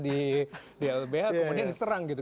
di lbh kemudian diserang gitu